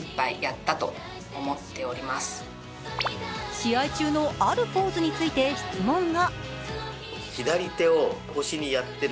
試合中のあるポーズについて質問が。